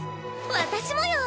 私もよ！